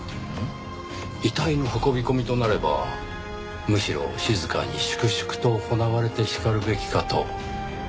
遺体の運び込みとなればむしろ静かに粛々と行われてしかるべきかと。